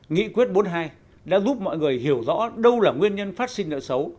nghị quyết bốn mươi hai đã giúp mọi người hiểu rõ đâu là nguyên nhân phát sinh nợ xấu